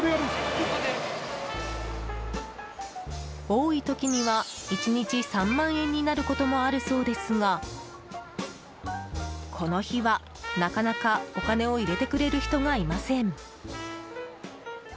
多い時には、１日３万円になることもあるそうですがこの日は、なかなかお金を入れてくれる人がいません。